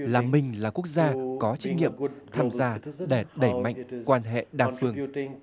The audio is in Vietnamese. là mình là quốc gia có trách nhiệm tham gia để đẩy mạnh quan hệ đa phương